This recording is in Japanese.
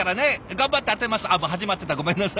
頑張って当てます。